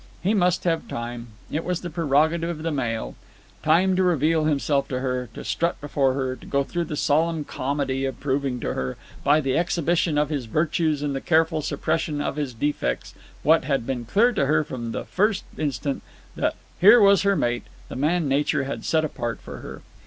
He must have time, it was the prerogative of the male; time to reveal himself to her, to strut before her, to go through the solemn comedy of proving to her, by the exhibition of his virtues and the careful suppression of his defects, what had been clear to her from the first instant, that here was her mate, the man nature had set apart for her.